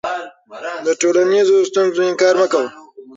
د ټولنیزو ستونزو انکار مه کوه.